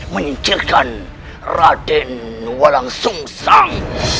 menyingkirkan raden walang sungsang